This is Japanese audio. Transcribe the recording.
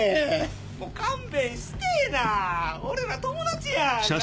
もう勘弁してぇな俺ら友達やんなぁ？